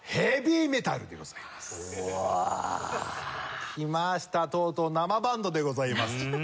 おお。きましたとうとう生バンドでございます。